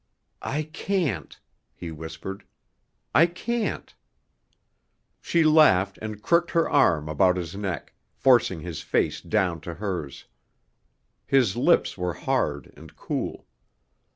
"I can't," he whispered. "I can't." She laughed and crooked her arm about his neck, forcing his face down to hers. His lips were hard and cool.